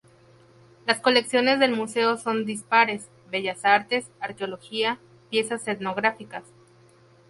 Las colecciones del Museo son dispares: Bellas Artes, arqueología, piezas etnográficas...